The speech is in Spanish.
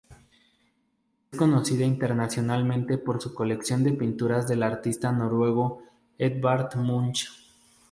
Es conocida internacionalmente por su colección de pinturas del artista noruego Edvard Munch.